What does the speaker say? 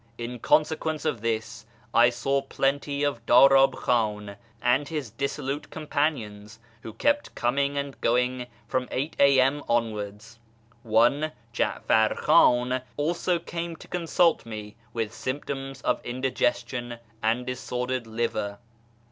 In consequence of this I saw plenty of Darab Khan and his dissolute companions, who kept coming and going from 8 a.m. onwards. One, Ja^far Khan, also came to consult me with symptoms of indigestion and disordered liver.